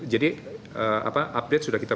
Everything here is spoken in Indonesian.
jadi update sudah kita